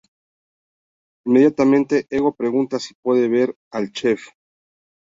Inmediatamente Ego pregunta si puede ver al chef.